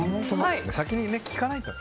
先に聞かないとね。